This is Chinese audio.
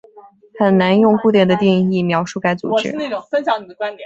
很难用固定的定义描述该组织。